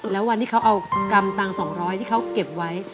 แล้ววันที่เขาเอากำตังค์๒๐๐ที่เขาเก็บไว้